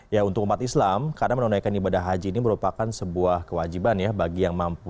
ya untuk umat islam karena menunaikan ibadah haji ini merupakan sebuah kewajiban ya bagi yang mampu